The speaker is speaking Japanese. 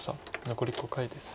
残り５回です。